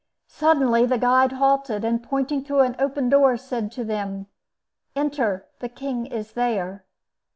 Suddenly the guide halted, and, pointing through an open door, said to them, "Enter. The king is there."